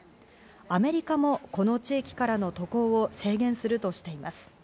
アメリカも、この地域からの渡航を制限するとしています。